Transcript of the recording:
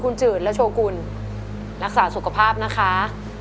ขอบคุณคุณจืนและโชคคุณรักษาสุขภาพนะคะ